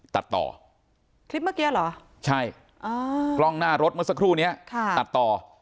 ตัดต่อคลิปเมื่อกี้เหรอใช่กล้องหน้ารถเมื่อสักครู่นี้ตัดต่อ